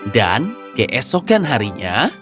dan keesokan harinya